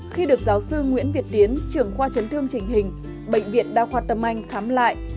khi được giáo sư nguyễn việt tiến trưởng khoa chấn thương trình hình bệnh viện đa khoa tâm anh khám lại